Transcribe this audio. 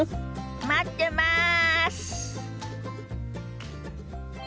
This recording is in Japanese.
待ってます！